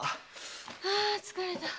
あ疲れた。